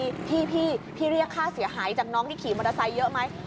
พี่พี่เรียกค่าเสียหายจากน้องที่ขี่มอเตอร์ไซค์เยอะไหม